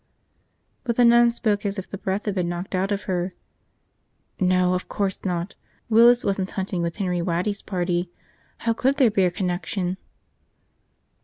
But the nun spoke as if the breath had been knocked out of her. "No, of course not. Willis wasn't hunting with Henry Waddy's party. How could there be a connection?"